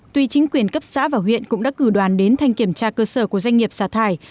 tuy chính quyền cấp xã và huyện cũng đã cử đoàn đến thanh kiểm tra cơ sở của doanh nghiệp xả thải